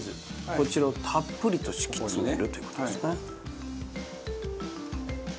こちらをたっぷりと敷き詰めるという事ですね。